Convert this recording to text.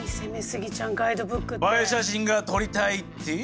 映え写真が撮りたいって？